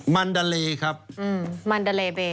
มันดาเลครับ